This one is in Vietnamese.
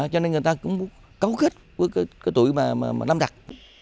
cho nên người ta cũng có khó khết với cái tuổi mà năm đặc